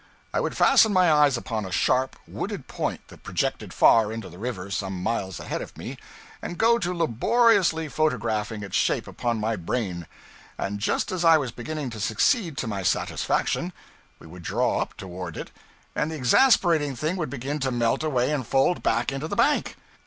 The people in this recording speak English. I would fasten my eyes upon a sharp, wooded point that projected far into the river some miles ahead of me, and go to laboriously photographing its shape upon my brain; and just as I was beginning to succeed to my satisfaction, we would draw up toward it and the exasperating thing would begin to melt away and fold back into the bank!